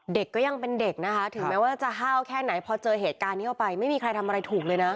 เด็กก็ยังเป็นเด็กนะคะถึงแม้ว่าจะห้าวแค่ไหนพอเจอเหตุการณ์นี้เข้าไปไม่มีใครทำอะไรถูกเลยนะ